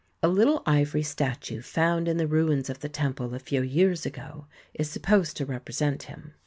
A little ivory statue found in the ruins of the temple a few years ago is supposed to represent him.